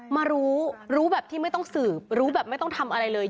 มารู้รู้แบบที่ไม่ต้องสืบรู้แบบไม่ต้องทำอะไรเลย